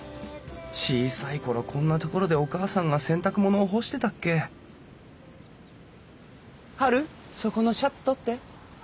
小さい頃こんな所でお母さんが洗濯物を干してたっけ「ハルそこのシャツ取って」。